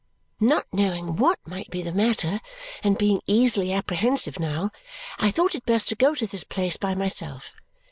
Not knowing what might be the matter, and being easily apprehensive now, I thought it best to go to this place by myself.